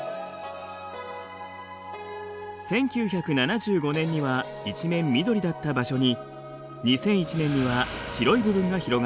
１９７５年には一面緑だった場所に２００１年には白い部分が広がっています。